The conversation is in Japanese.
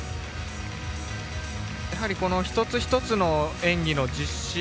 やはり一つ一つの演技の実施